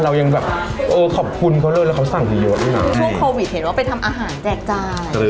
เรายังแบบเออขอบคุณเขาเลยแล้วเขาสั่งเยอะด้วยนะช่วงโควิดเห็นว่าไปทำอาหารแจกจ่าย